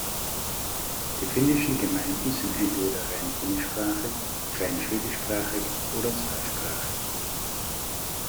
Die finnischen Gemeinden sind entweder rein finnischsprachig, rein schwedischsprachig oder zweisprachig.